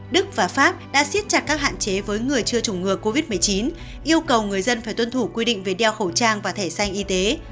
đức và pháp đã xiết chặt các hạn chế với người chưa chủng ngừa covid một mươi chín yêu cầu người dân phải tuân thủ quy định về đeo khẩu trang và thẻ xanh y tế